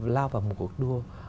lao vào một cuộc đua